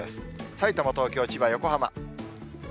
さいたま、東京、千葉、横浜。